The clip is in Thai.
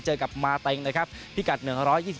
เจอกับมาตังพิกัด๑๒๒กบ